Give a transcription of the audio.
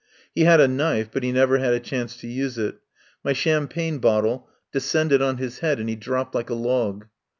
He had a knife, but he never had a chance to use it. My champagne bottle descended on his head and he dropped like a log.